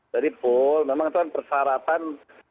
jadi pool memang itu kan persyaratan